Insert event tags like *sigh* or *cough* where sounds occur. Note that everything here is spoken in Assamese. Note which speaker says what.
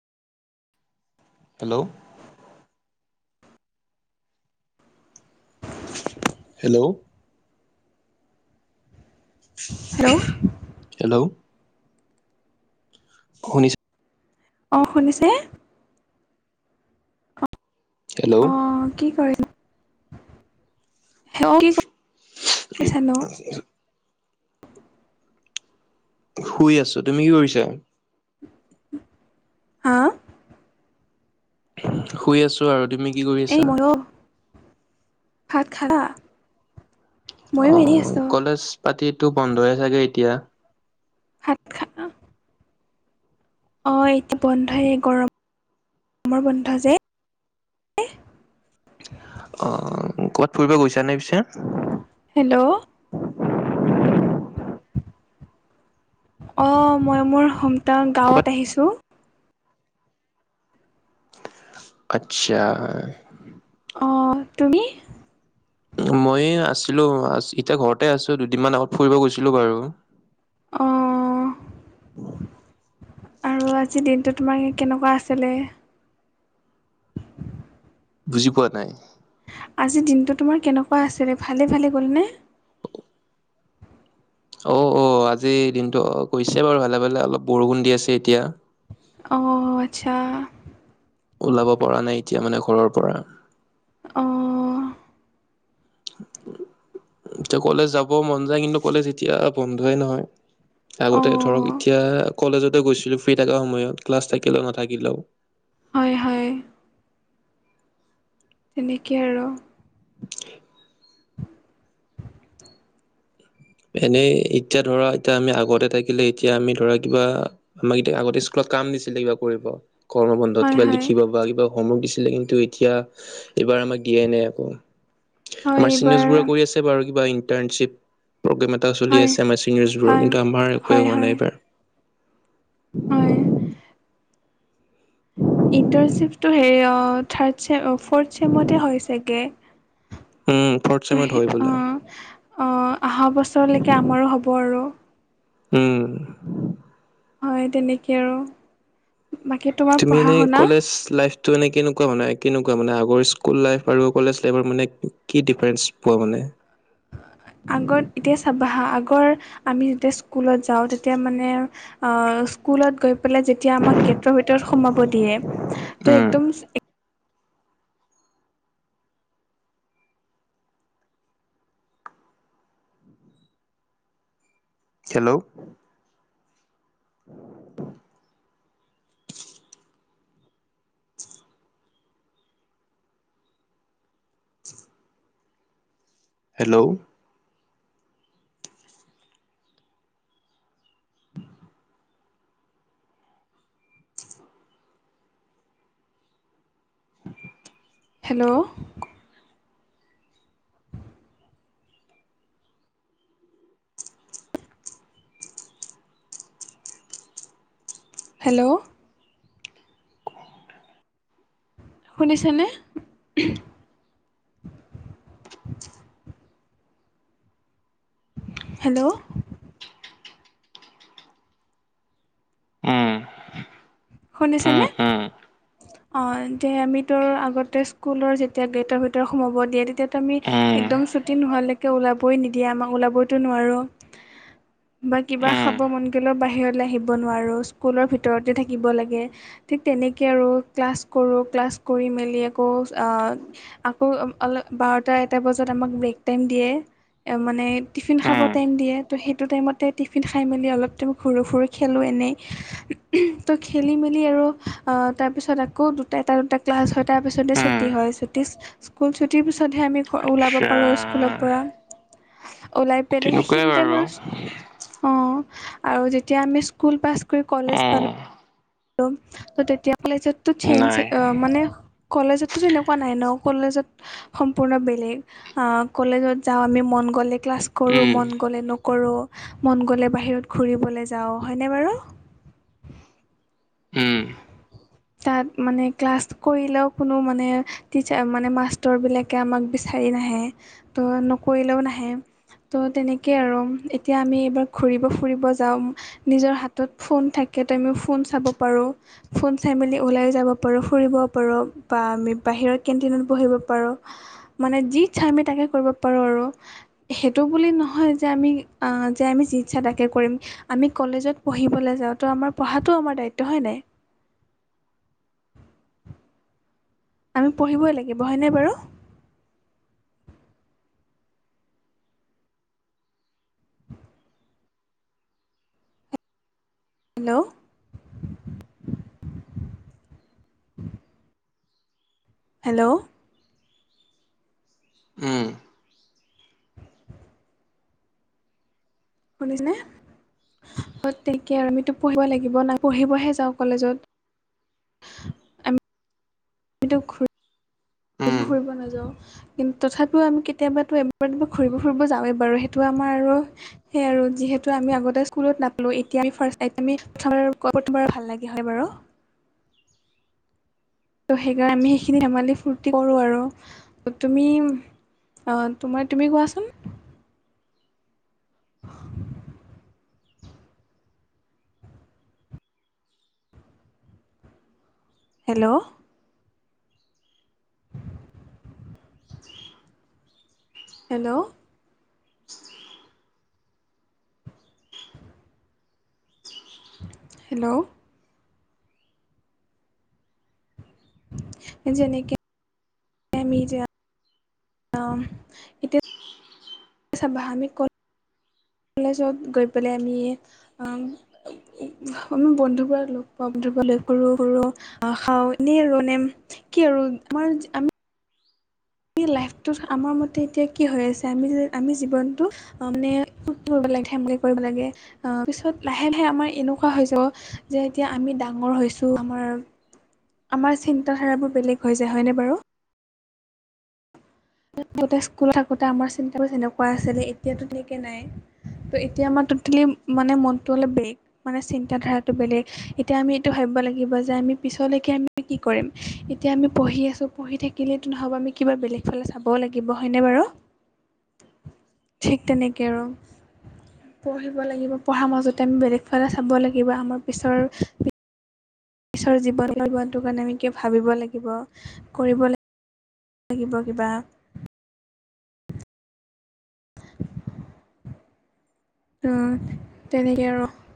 Speaker 1: হেল্ল'। হেল্ল'
Speaker 2: হেল্ল'
Speaker 1: হেল্ল' শুনিছো।
Speaker 2: অঁ শুনিছে নে?
Speaker 1: হেল্ল'।
Speaker 2: অ কি কৰি *unintelligible*
Speaker 1: এই
Speaker 2: কৰিছানো
Speaker 1: *unintelligible* শুই আছো, তুমি কি কৰিছা?
Speaker 2: হা,
Speaker 1: শুই আছোঁ আৰু তুমি কি কৰি
Speaker 2: এই
Speaker 1: আছা।
Speaker 2: ময়ো ভাত খালা। ময়ো
Speaker 1: অ
Speaker 2: এনেই আছো
Speaker 1: কলেজ পাতিতো বন্ধয়ে চাগে এতিয়া।
Speaker 2: ভাত খা অ এইটো বন্ধই গৰম গৰমৰ বন্ধ যে, *unintelligible*
Speaker 1: অ ক'বাত ফুৰিব গৈছা নে পিছে।
Speaker 2: হেল্ল', অ মই মোৰ সন্তান
Speaker 1: ক'বাত
Speaker 2: গাঁৱত আহিছো।
Speaker 1: আচ্ছা।
Speaker 2: অ তুমি।
Speaker 1: মইয়ে আছিলো এতিয়া ঘৰতে আছো দুদিনমান আগত ফুৰিব গৈছিলো বাৰু
Speaker 2: অ আৰু আজিৰ দিনটো তোমাৰ কেনেকুৱা আছিলে।
Speaker 1: বুজি পোৱা নাই।
Speaker 2: আজিৰ দিনটো তোমাৰ কেনেকুৱা আছিলে ভালে ভালে গ'লনে।
Speaker 1: অঁ অঁ আজি দিনটো গৈছে বাৰু ভালে ভালে অলপ বৰষুণ দি আছে এতিয়া।
Speaker 2: অ আচ্ছা।
Speaker 1: ওলাব পৰা নাই এতিয়া মানে ঘৰৰ পৰা।
Speaker 2: অ,
Speaker 1: এতিয়া কলেজ যাব মন যায় কিন্তু কলেজ এতিয়া বন্ধই নহয়।
Speaker 2: অ
Speaker 1: আগতে ধৰক এতিয়া কলেজতে গৈছিলো ফ্ৰী থকা সময়ত ক্লাছ থাকিলেও নাথাকিলেও।
Speaker 2: হয় হয়। তেনেকে আৰু
Speaker 1: *inaudible*
Speaker 2: *inaudible*
Speaker 1: এনেই এতিয়া ধৰা এতিয়া আমি আগতে থাকিলে এতিয়া আমি ধৰা কিবা আমাক এতিয়া আগতে স্কুলত কাম দিছিলে কিবা কৰিব গৰম বন্ধত
Speaker 2: হয়
Speaker 1: কিবা
Speaker 2: হয়
Speaker 1: লিখিব বা কিবা সমৌক দিছিলে কিন্তু এতিয়া এইবাৰ আমাক দিয়াই নাই আকৌ।
Speaker 2: হয়
Speaker 1: আমাৰ
Speaker 2: এইবাৰ
Speaker 1: চিনিয়ৰ্ছবোৰে কৰি আছে বাৰু কিবা ইণ্টাৰ্ণশ্বিপ। প্ৰগ্ৰেম এটা চলি
Speaker 2: হয়
Speaker 1: আছে আমাৰ ছিনিয়ৰ্ছবোৰ
Speaker 2: হয়
Speaker 1: কিন্তু আমাৰ একোৱেই
Speaker 2: হয়
Speaker 1: হোৱা
Speaker 2: হয়
Speaker 1: নাইবাৰ।
Speaker 2: হয়।
Speaker 1: *inaudible*
Speaker 2: ইণ্টাৰ্ণশ্বিপটো হেৰি থাৰ্ড চেম ফৰ্থ চেমতে হয় চাগে।
Speaker 1: উম ফৰ্থ
Speaker 2: ত'
Speaker 1: চেমত
Speaker 2: সেই
Speaker 1: হয় বোলে।
Speaker 2: অ অহা বছৰলৈকে আমাৰো হ'ব আৰু
Speaker 1: উম।
Speaker 2: হয় তেনেকে আৰু বাকী। তোমাৰ
Speaker 1: তুমি
Speaker 2: পঢ়া
Speaker 1: এনেই
Speaker 2: শুনা
Speaker 1: কলেজ লাইফ মানে কেনেকুৱা মানে কেনেকুৱা মানে আগৰ স্কুল লাইফ আৰু কলেজ লাইফৰ মানে কি ডিফাৰেন্ঞ্চ পোৱা মানে।
Speaker 2: আগত এতিয়া চাবা হা আগৰ আমি যেতিয়া স্কুলত যাওঁ তেতিয়া মানে অ স্কুলত গৈ পেলাই যেতিয়া আমাক গেটৰ ভিতৰত সোমাব দিয়ে ত
Speaker 1: উম,
Speaker 2: একম
Speaker 1: হেল্ল', *inaudible* হেল্ল', *inaudible*
Speaker 2: হেল্ল! হেল্ল! শুনিছনে? উদ্‌মহ্‌ হেল্ল!
Speaker 1: *inaudible* উম,
Speaker 2: শুনিছেনে?
Speaker 1: *inaudible*
Speaker 2: অঁ--যে ভিতৰৰ আগতে স্কুলৰ যেতিয়া গেটৰ ভিতৰত সোমাব দিয়ে। তেতিয়াতো আমি
Speaker 1: উম, উম,
Speaker 2: একদম ছুটি নোহোৱালৈকে ওলাবই নিদিয়ে আমাক। ওলাবইটো নোৱাৰো বা কিবা খাব মন গ'লেও বাহিৰলে আহিব নোৱাৰো। স্কুলৰ ভিতৰতে থাক্ থাকিব লাগে। ঠিক তেনেকে আৰু ক্লাছ কৰোঁ, ক্লাছ কৰি মেলি আকৌ আ আকৌ অম- অল- বাৰটা এটা বজাত আমাক ব্ৰেক টাইম দিয়ে এ মানে টিফিন খাব
Speaker 1: উম,
Speaker 2: টাইম দিয়ে ত' সেইটো টাইমতে টিফিন খাই মেলি অলপ টো সৰু সৰু খেলো এনেই টো খেলি মেলি আৰু আ--তাৰপিছত আকৌ দুটা এটা দুটা ক্লাছ হয় তাৰ পিছতে ছুটী
Speaker 1: উম,
Speaker 2: হয়। ছুটি স্কুল ছুটিৰ পিছতহে আমি হ্ ওলাব
Speaker 1: আচ্ছা
Speaker 2: পাৰোঁ আৰু স্কুলৰ পৰা। ওলাই পেলাই
Speaker 1: তেনেকুৱাই
Speaker 2: সেইখিনি টাইম
Speaker 1: বাৰু
Speaker 2: আৰু অঁ আৰু যেতিয়া আমি স্কুল পাছ কৰি কলেজ
Speaker 1: উম,
Speaker 2: পালোঁ দম ত ' তেতিয়া ক'লে যে তোৰ চেঞ্জচে
Speaker 1: নাই
Speaker 2: অঁ--মানে কলেজতটো তেনেকুৱা নাই ন'? কলেজত সম্পূৰ্ণ বেলেগ। আঁ কলেজত যাওঁ আমি মন গ'লে ক্লাছ কৰোঁ,
Speaker 1: উম,
Speaker 2: মন গ'লে নকৰোঁ, মন গ'লে বাহিৰত ঘূৰিবলৈ যাওঁ, হয়নে বাৰু?
Speaker 1: উম,
Speaker 2: উঁ। তাত মানে ক্লাছ কৰিলেও কোনো মানে, টিচাৰ মানে মাষ্টৰ বিলাক কে আমাক বিচাৰি নাহে ত' নকৰিলেও নাহে। ত' তেনেকেই আৰু এতিয়া আমি এইবাৰ ঘূৰিব- ফুৰিব যাম। নিজৰ হাতত ফোন থাকে ত' আমি ফোন চাব পাৰোঁ। ফোন চাই মেলি ওলাই যাব পাৰোঁ, ফুৰিব পাৰোঁ বা আমি বাহিৰৰ কেণ্টিনত বহিব পাৰোঁ। মানে যি ইচ্ছা আমি তাকে কৰিব পাৰোঁ আৰু। সেইটো বুলি নহয় যে আমি আঁ যে আমি যি ইচ্ছা তাকে কৰিম আমি কলেজত পঢ়িবলৈ যাওঁ ত' আমাৰ পঢ়াটো আমাৰ দায়িত্ব, হয় নাই? আমি পঢ়িবই লাগিব। হয়নে বাৰু? হেল্ল! উম হেল্ল!
Speaker 1: ওঁ
Speaker 2: শুনিছেনে? অঁ তাকে আৰু আমিতো পঢ়িব লাগিব নাই পঢ়িবহে যাওঁ কলেজত। আমিতো ঘূৰি
Speaker 1: উম,
Speaker 2: ফুৰিব নাযাওঁ। কিন্তু তথাপিও আমি কেতিয়াবাতো এবাৰ দুবাৰ ঘূৰিব -ফুৰিব যাওঁৱেই বাৰু সেইটো আমাৰ আৰু সেইয়ে আৰু যিহেতু আমি আগতে স্কুলত নাপালোঁ। এতিয়া আমি ফাৰ্ষ্ট টাইম, আমি কথা বতৰা কোৱাবোৰৰ তোমাৰ ভাল লাগে। হয় বাৰু? ত' সেইকাৰণ আমি সেইখিনি ধেমালি ফূৰ্ত তি কৰোঁ আৰু। তুমি অঁ তোমাৰ তুমি কোৱাচোন? হেল্ল! হেল্ল! হেল্ল' *unintelligible* আচছা বাহানি কত কলেজত গৈ পেলাই আমি আমি বন্ধু *unintelligible* গৰাক লগ পাওঁ বন্ধুব লগ ক আহ খাও এনে আৰু নে কি আৰু আমাৰ আমি আ লাইফটোত আমাৰ মতে এতিয়া কি হৈ আছে আমি যে আমি জীৱনটো অ মানে *unintelligible* কৰিব লাগে আহ পিছত লাহে লাহে আমাৰ এনেকুৱা হৈ য যে এতিয়া আমি ডাঙৰ হৈছো আমাৰ আমাৰ চিন্তাধাৰাবোৰ বেলেগ হৈ যায় হয়নে বাৰু আগতে স্কুলত থাকোতে আমাৰ চিন্তাবোৰ এনেকুৱা আছিলে এতিয়া তেনেকে নাই ত' এতিয়া আমাৰ টেলি মানে মনতটো অলপ বেগ মানে চিন্ত ধাৰাটো বেলেগ এতিয়া আমি এইটো ভাবিব লাগিব যে আমি পিছলৈকে আমি কি কৰিম এতিয়া আমি পঢ়ি আছো পঢ়ি থ *unintelligible* আমি কিবা বেলেগ ফালে চাব লাগিব হয়নে বাৰু ঠিক তেনেকে আৰু পঢ়িব লাগিব পঢ়াৰ মাজতে আমি বেলেগ ফালে চাব লাগিব আমাৰ পিছৰ ঈৰ জীৱন কটোৱাটো কাৰণে আমি কিয় ভাবিব লাগিব কৰিব লাগ লাগিব কিবা *unintelligible* অ তেনেকে আৰু